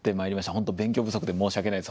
本当勉強不足で申し訳ないです